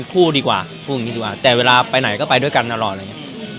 หรือมอบให้กันอย่างไร